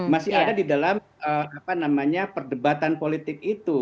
masih ada di dalam perdebatan politik itu